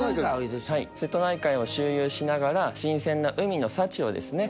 瀬戸内海を周遊しながら新鮮な海の幸をですね